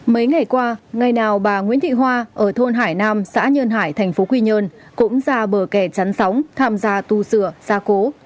mấy ngày qua ngày nào bà nguyễn thị hoa ở thôn hải nam xã nhơn hải thành phố quy nhơn cũng ra bờ kè chắn sóng tham gia tu sửa gia cố